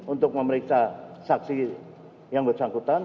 untuk memeriksa saksi yang bersangkutan